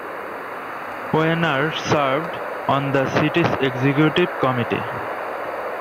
Weiner served on the city's executive committee.